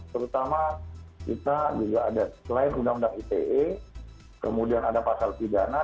terutama kita juga ada selain undang undang ite kemudian ada pasal pidana